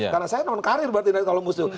karena saya non karin berarti kalau musuh